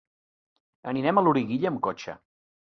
Anirem a Loriguilla amb cotxe.